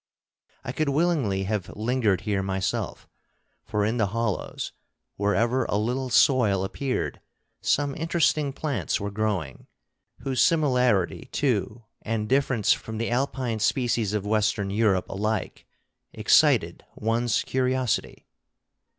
I could willingly have lingered here myself; for in the hollows, wherever a little soil appeared, some interesting plants were growing, whose similarity to and difference from the Alpine species of Western Europe alike excited one's curiosity.